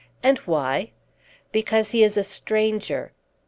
"And why?" "Because he is a stranger."